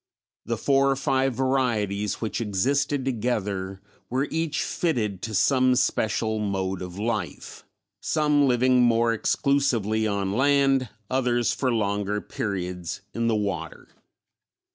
The four or five varieties which existed together were each fitted to some special mode of life; some living more exclusively on land, others for longer periods in the water.